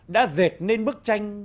đã dệt lên bức tranh